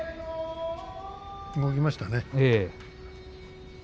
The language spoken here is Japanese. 動きましたね。